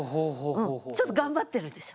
ちょっと頑張ってるでしょ。